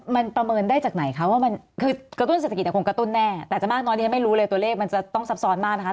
มันประเมินได้จากไหนคะว่ามันคือกระตุ้นเศรษฐกิจคงกระตุ้นแน่แต่จะมากน้อยที่ฉันไม่รู้เลยตัวเลขมันจะต้องซับซ้อนมากนะคะ